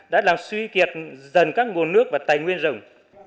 đã làm suy kiệt dần các nguồn nước và tài nguyên rừng